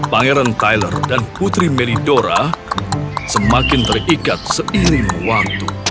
pangeran tyler dan putri melidora semakin terikat seiring waktu